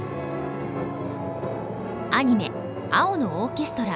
アニメ「青のオーケストラ」